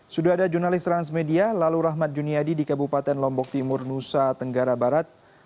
sudah ada jurnalis transmedia lalu rahmat juniadi di kabupaten lombok timur nusa tenggara barat